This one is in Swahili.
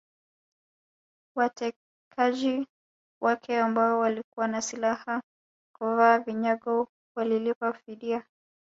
Watekaji wake ambao walikuwa na silaha na kuvaa vinyago walilipwa fidia